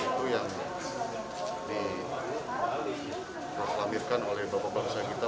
semangat itu yang diperlamirkan oleh bapak bangsa kita bukaro yang harus kita jaga bersama